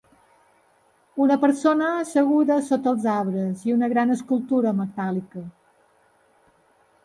Una persona asseguda sota els arbres i una gran escultura metàl·lica.